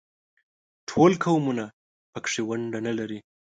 ټول قومونه په کې ونډه نه لري.